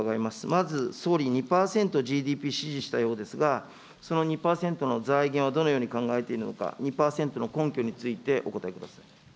まず総理、２％ＧＤＰ指示したようですが、その２％の財源はどのように考えているのか、２％の根拠についてお答えください。